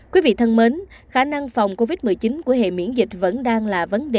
quý vị thân mến khả năng phòng covid một mươi chín của hệ miễn dịch vẫn đang là vấn đề